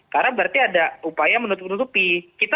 karena berarti ada upaya menutup tutupi